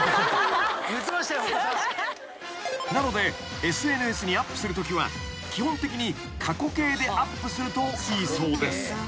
［なのでＳＮＳにアップするときは基本的に過去形でアップするといいそうです］